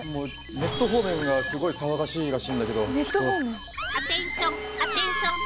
ネット方面がすごい騒がしいらしいんだけど。